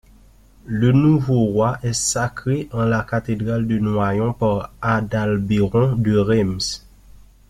Le nouveau roi est sacré en la cathédrale de Noyon par Adalbéron de Reims.